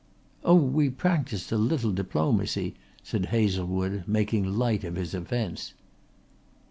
"Oh, we practised a little diplomacy," said Hazlewood, making light of his offence.